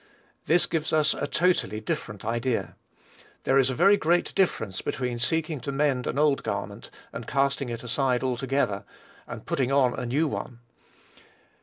This gives us a totally different idea. There is a very great difference between seeking to mend an old garment, and casting it aside altogether, and putting on a new one.